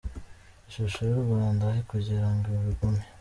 ishusho y’u Rwanda aho kugira ngo bigume.